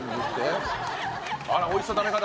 あらおいしそうな食べ方。